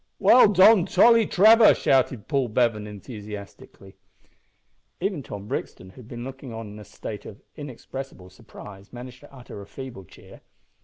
"Well done, Tolly Trevor!" shouted Paul Bevan, enthusiastically. Even Tom Brixton, who had been looking on in a state of inexpressible surprise, managed to utter a feeble cheer.